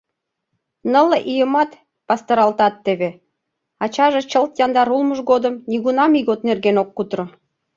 Нылле ийымат пастыралтат теве... — ачаже чылт яндар улмыж годым нигунам ийгот нерген ок кутыро.